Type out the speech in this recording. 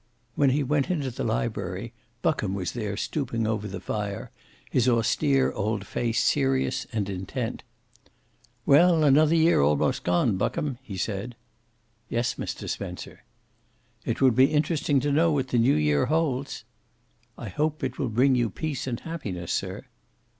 When he went into the library Buckham was there stooping over the fire, his austere old face serious and intent. "Well, another year almost gone, Buckham!" he said. "Yes, Mr. Spencer." "It would be interesting to know what the New year holds." "I hope it will bring you peace and happiness, sir."